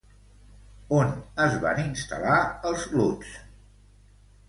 On es van instal·lar els Lutz?